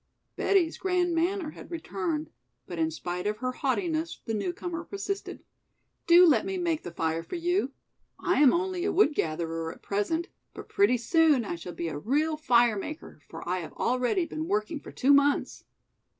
Betty's grand manner had returned, but in spite of her haughtiness the newcomer persisted. "Do let me make the fire for you. I am only a wood gatherer at present, but pretty soon I shall be a real fire maker, for I have already been working for two months."